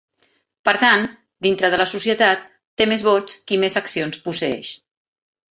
Per tant, dintre de la societat té més vots qui més accions posseeix.